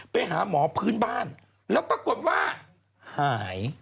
ไปหาหมอพื้นบ้านแล้วปรากฏว่าหาย